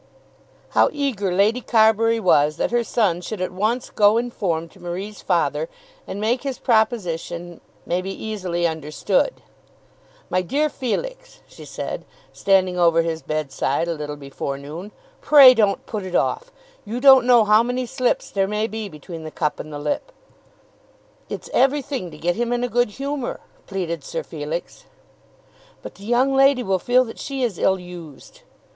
How eager Lady Carbury was that her son should at once go in form to Marie's father and make his proposition may be easily understood. "My dear Felix," she said, standing over his bedside a little before noon, "pray don't put it off; you don't know how many slips there may be between the cup and the lip." "It's everything to get him in a good humour," pleaded Sir Felix. "But the young lady will feel that she is ill used."